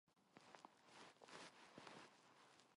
이따가는 조명 때문에 민얼굴은 너무 번쩍거려서요.